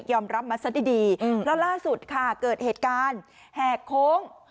รับมัสดีแล้วล่าสุดค่ะเกิดเหตุการณ์แหกโค้ง